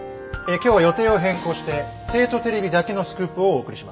今日は予定を変更して帝都テレビだけのスクープをお送りします。